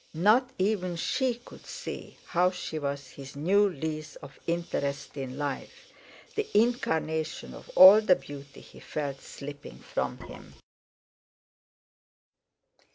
Not even she could see how she was his new lease of interest in life, the incarnation of all the beauty he felt slipping from him.